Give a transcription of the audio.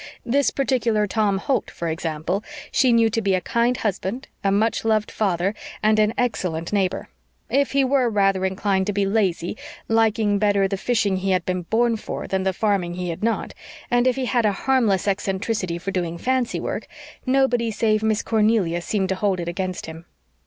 This particular Tom Holt, for example, she knew to be a kind husband, a much loved father, and an excellent neighbor. If he were rather inclined to be lazy, liking better the fishing he had been born for than the farming he had not, and if he had a harmless eccentricity for doing fancy work, nobody save Miss Cornelia seemed to hold it against him.